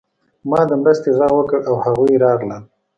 ما د مرستې غږ وکړ او هغوی راغلل